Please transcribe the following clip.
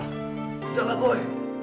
udah lah boy